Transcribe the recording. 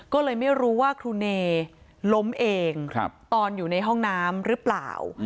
ก็เลยไม่รู้ว่าครูเนล้มเองตอนอยู่ในห้องน้ำหรือเปล่า